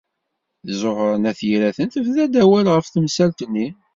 Ẓuhṛa n At Yiraten tebda-d awal ɣef temsalt-nni.